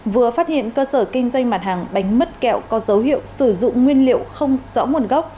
vừa phát hiện cơ sở kinh doanh mặt hàng bánh mứt kẹo có dấu hiệu sử dụng nguyên liệu không rõ nguồn gốc